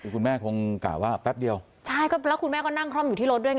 คุณแม่คงกล่าวว่าแป๊บเดียวใช่ก็แล้วคุณแม่ก็นั่งคล่อมอยู่ที่รถด้วยไง